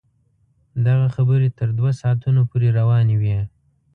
دغه خبرې تر دوه ساعتونو پورې روانې وې.